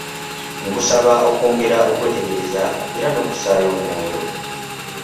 Nkusaba okwongera okwetegereza era n’okussaayo omwoyo.